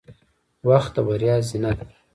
• وخت د بریا زینه ده.